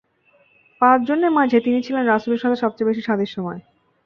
পাঁচজনের মাঝে তিনি ছিলেন রাসূলের সাথে সবচেয়ে বেশী সাদৃশ্যময়।